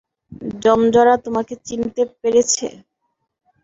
জমজরা তোমাকে চিনতে পেরেছে?